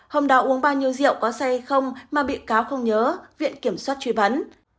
hôm đó uống bao nhiêu rượu có xe hay không mà bị cáo không nhớ viện kiểm soát truy vấn